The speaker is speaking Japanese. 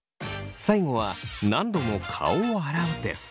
最後は何度も顔を洗うです。